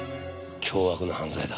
凶悪な犯罪だ。